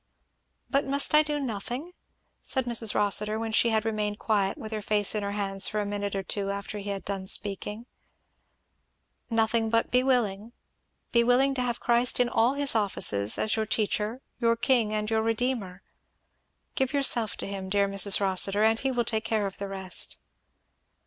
'" "But must I do nothing?" said Mrs. Rossitur, when she had remained quiet with her face in her hands for a minute or two after he had done speaking. "Nothing but be willing be willing to have Christ in all his offices, as your Teacher, your King, and your Redeemer give yourself to him, dear Mrs. Rossitur, and he will take care of the rest."